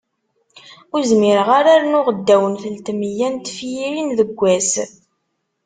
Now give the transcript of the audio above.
Ur zmireɣ ara rnuɣ ddaw n telt meyya n tefyirin deg wass.